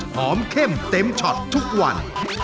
เข้มเต็มช็อตทุกวัน